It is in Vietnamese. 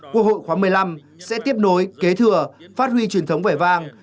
quốc hội khóa một mươi năm sẽ tiếp nối kế thừa phát huy truyền thống vẻ vang